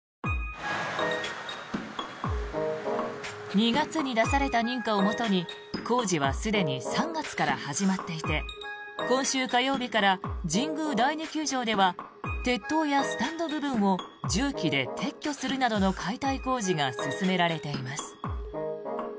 ２月に出された認可をもとに工事はすでに３月から始まっていて今週火曜日から神宮第二球場では鉄塔やスタンド部分を重機で撤去するなどの解体工事が進められています。